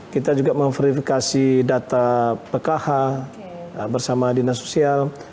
kita juga memverifikasi data pkh bersama dinas sosial